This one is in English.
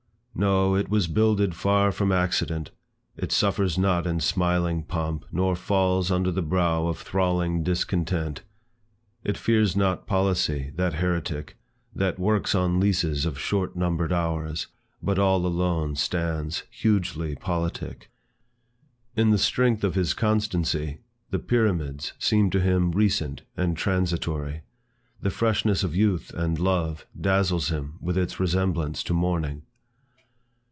No, it was builded far from accident; It suffers not in smiling pomp, nor falls Under the brow of thralling discontent; It fears not policy, that heretic, That works on leases of short numbered hours, But all alone stands hugely politic. In the strength of his constancy, the Pyramids seem to him recent and transitory. The freshness of youth and love dazzles him with its resemblance to morning.